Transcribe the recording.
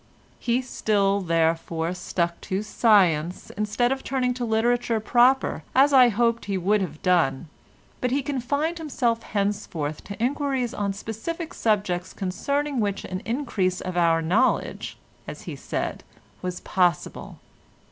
He still, therefore, stuck to science instead of turning to literature proper as I hoped he would have done, but he confined himself henceforth to enquiries on specific subjects concerning which an increase of our knowledge—as he said—was possible.